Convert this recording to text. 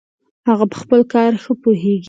هغه په خپل کار ښه پوهیږي